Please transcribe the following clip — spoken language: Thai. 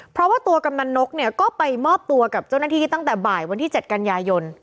เพราะว่าตัวกำนันนกเนี่ยก็ไปมอบตัวกับเจ้าหน้าที่ตั้งแต่บ่ายวันที่๗กันยายน